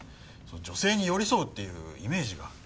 女性に寄り添うっていうイメージが大事か。